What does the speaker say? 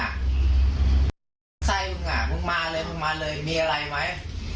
มันไส้มึงอ่ะมึงมาเลยมึงมาเลยมีอะไรไหม